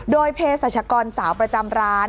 โดยเพศรัชกรสาวประจำร้าน